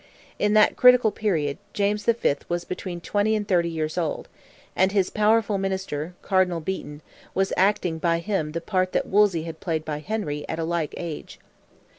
In that critical period, James V. was between twenty and thirty years old, and his powerful minister, Cardinal Beaton, was acting by him the part that Wolsey had played by Henry at a like age.